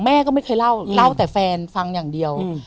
แม่ก็ไม่เคยเล่าเล่าแต่แฟนฟังอย่างเดียว